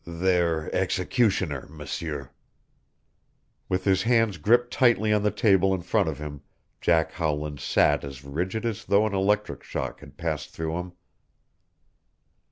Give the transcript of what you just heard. "Their executioner, M'seur." With his hands gripped tightly on the table in front of him Jack Howland sat as rigid as though an electric shock had passed through him.